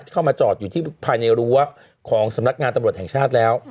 เข้ามาจอดอยู่ที่ภายในรั้วของสำนักงานตำรวจแห่งชาติแล้ว